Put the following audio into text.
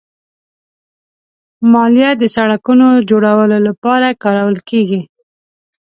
مالیه د سړکونو جوړولو لپاره کارول کېږي.